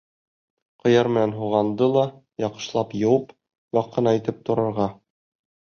Ҡыяр менән һуғанды ла яҡшылап йыуып, ваҡ ҡына итеп турарға.